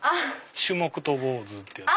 撞木と坊主ってやつ。